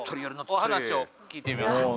お話を聞いてみましょう。